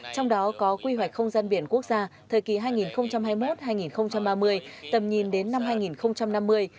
trong đó có quy hoạch không gian biển quốc gia thời kỳ hai nghìn hai mươi một hai nghìn ba mươi tầm nhìn đến năm hai nghìn năm mươi